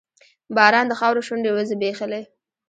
باران د خاورو شونډې وځبیښلې